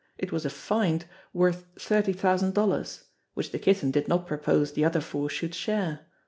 It was a "find" worth thirty thousand dollars which the Kitten did not propose the other four should share.